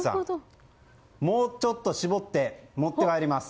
もうちょっと搾って持って帰ります。